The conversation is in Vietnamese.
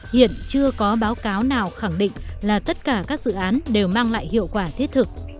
hiện chưa có báo cáo nào khẳng định là tất cả các dự án đều mang lại hiệu quả thiết thực